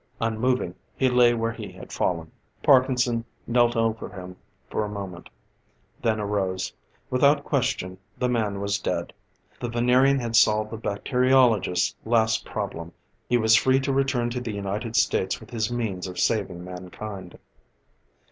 Unmoving, he lay where he had fallen. Parkinson knelt over him for a moment, then arose. Without question, the man was dead. The Venerian had solved the bacteriologist's last problem; he was free to return to the United States with his means of saving mankind.